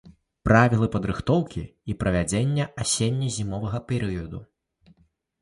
Правілы падрыхтоўкі і правядзення асенне-зімовага перыяду.